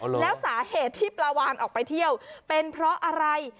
แล้วสาเหตุที่ปลาวานออกไปเที่ยวเป็นเพราะอะไร